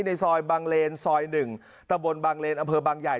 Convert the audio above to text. ในซอยบางเลนซอย๑ตะบนบางเลนอำเภอบางใหญ่